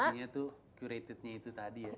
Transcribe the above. ini kuncinya tuh curated nya itu tadi ya